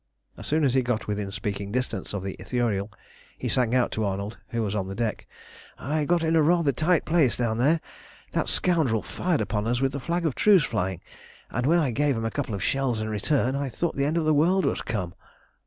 As soon as he got within speaking distance of the Ithuriel, he sang out to Arnold, who was on the deck "I got in rather a tight place down there. That scoundrel fired upon us with the flag of truce flying, and when I gave him a couple of shells in return I thought the end of the world was come."